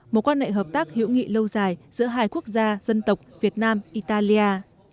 một quan hệ hợp tác hữu nghị lâu dài giữa hai quốc gia dân tộc việt nam italia